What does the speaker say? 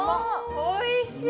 おいしい！